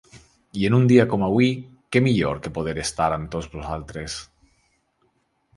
I en un dia com avui, què millor que poder estar amb tots vosaltres?